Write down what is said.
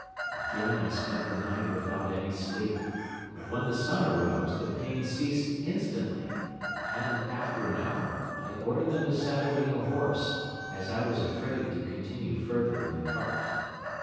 Again I spent the night without any sleep but when the sun arose the pain ceased instantly and, after an hour, I ordered them to saddle me a horse, as I was afraid to continue further in the cart.